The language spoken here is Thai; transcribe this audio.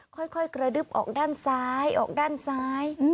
ค่อยกระดึบออกด้านซ้ายออกด้านซ้าย